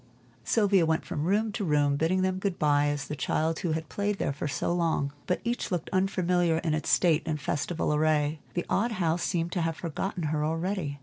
Sylvia went from room to room bidding them good by as the child who had played there so long. But each looked unfamiliar in its state and festival array, and the old house seemed to have forgotten her already.